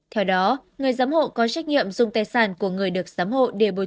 theo đó người giám hộ có trách nhiệm dùng tài sản của người được giám hộ như vậy